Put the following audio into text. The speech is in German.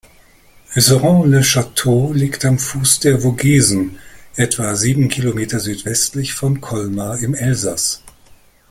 Husseren-les-Châteaux liegt am Fuß der Vogesen, etwa sieben Kilometer südwestlich von Colmar im Elsass.